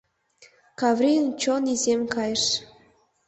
Каврийын чон изем кайыш.